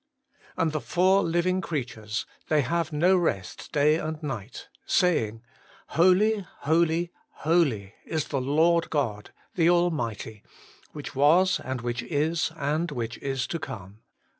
'And the four living creatures, they have no rest day and night, saying, Holy, holy, holy is the Lord God, the Almighty, which was, and which is, and which is to come.'